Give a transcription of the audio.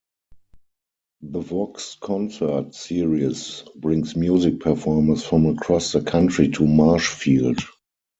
The Vox Concert Series brings music performers from across the country to Marshfield.